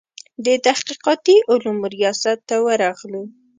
د تحقیقاتي علومو ریاست ته ورغلو.